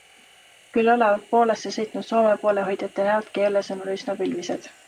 Küll olevat Poolasse sõitnud Soome poolehoidjate näod Keele sõnul üsna pilvised.